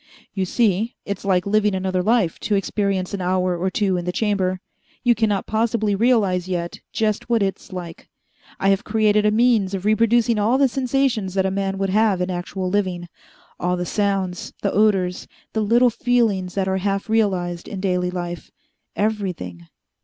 "You see, it's like living another life to experience an hour or two in the Chamber. You cannot possibly realize yet just what it's like. I have created a means of reproducing all the sensations that a man would have in actual living; all the sounds, the odors, the little feelings that are half realized in daily life everything.